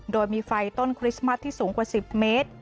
โดยมีไฟต้นคริสต์มัสที่สูงกว่า๑๐เมตร